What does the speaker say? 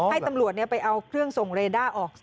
ให้ตำรวจไปเอาเครื่องส่งเรด้าออก